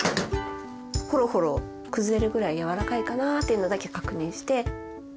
ほろほろ崩れるぐらい柔らかいかなっていうのだけ確認して。